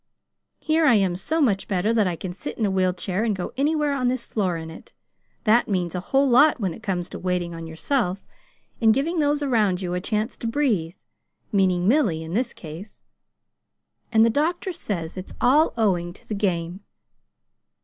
Here I am so much better that I can sit in a wheel chair and go anywhere on this floor in it. That means a whole lot when it comes to waiting on yourself, and giving those around you a chance to breathe meaning Milly, in this case. And the doctor says it's all owing to the game.